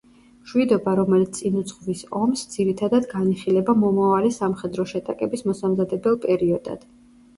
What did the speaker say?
მშვიდობა, რომელიც წინ უძღვის ომს, ძირითადად განიხილება მომავალი სამხედრო შეტაკების მოსამზადებელ პერიოდად.